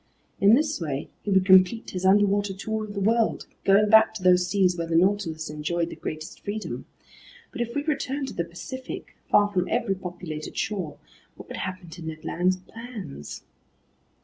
In this way he would complete his underwater tour of the world, going back to those seas where the Nautilus enjoyed the greatest freedom. But if we returned to the Pacific, far from every populated shore, what would happen to Ned Land's plans?